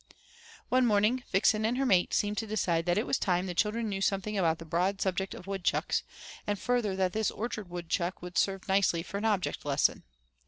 One morning Vixen and her mate seemed to decide that it was time the children knew something about the broad subject of Woodchucks, and further that this orchard woodchuck would serve nicely for an object lesson.